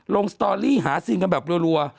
สตอรี่หาซีนกันแบบรัว